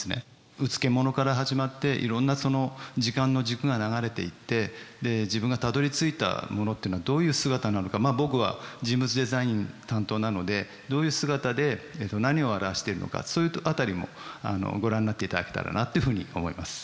うつけ者から始まっていろんな時間の軸が流れていってで自分がたどりついたものっていうのはどういう姿なのかまあ僕は人物デザイン担当なのでどういう姿で何を表しているのかそういう辺りも御覧になっていただけたらなっていうふうに思います。